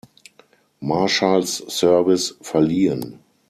Marshals Service verliehen.